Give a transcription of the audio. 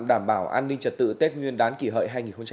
đảm bảo an ninh trật tự tết nguyên đán kỷ hợi hai nghìn một mươi chín